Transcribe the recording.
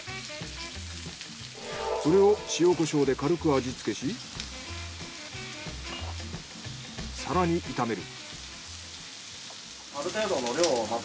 それを塩・コショウで軽く味付けし更に炒める。